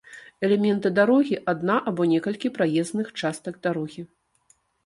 Элементы дарогі — адна або некалькі праезных частак дарогі